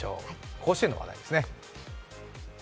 甲子園の話題ですね。